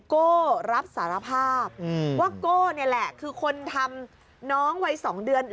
โก้รับสารภาพว่าโก้นี่แหละคือคนทำน้องวัย๒เดือน